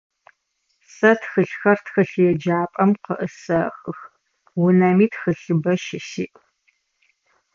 Сэ тхылъхэр тхылъеджапӏэм къыӏысэхых, унэми тхылъыбэ щысиӏ.